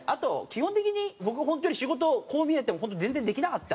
基本的に僕本当に仕事こう見えて全然できなかったんで。